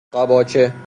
قباچه